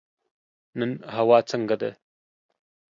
نن هوا څنګه ده؟